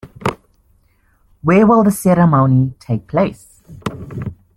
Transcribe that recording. Where will the ceremony take place?